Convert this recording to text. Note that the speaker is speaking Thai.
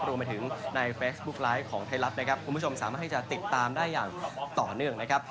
รวมไปถึงในเฟซบุ๊คไลฟ์ของไทยรัฐนะครับคุณผู้ชมสามารถให้จะติดตามได้อย่างต่อเนื่องนะครับ